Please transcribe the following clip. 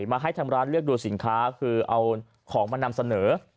มาให้ทางร้านเลือกดูสินค้าคือเอาของมานำเสนอ